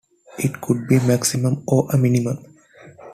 It could be a maximum or a minimum.